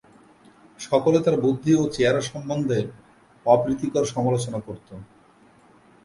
সকলে তার বুদ্ধি ও চেহারা সম্বন্ধে অপ্রীতিকর সমালোচনা করতো।